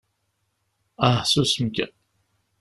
Ah susem kan!